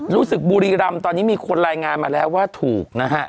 บุรีรำตอนนี้มีคนรายงานมาแล้วว่าถูกนะฮะ